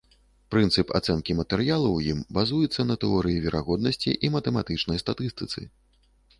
Прынцып ацэнкі матэрыялу ў ім базуецца на тэорыі верагоднасці і матэматычнай статыстыцы.